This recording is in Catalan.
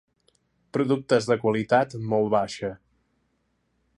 Productes de qualitat molt baixa.